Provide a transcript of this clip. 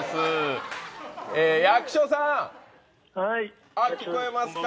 役所さん、聞こえますか？